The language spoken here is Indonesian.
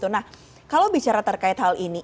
nah kalau bicara terkait hal ini